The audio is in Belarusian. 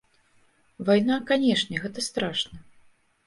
Вайна, канечне, гэта страшна.